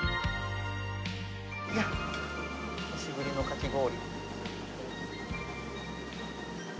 久しぶりのかき氷。